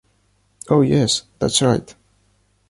Oh yes, that’s right.